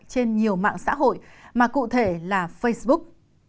trên nhiều mạng xã hội mà cụ thể là facebook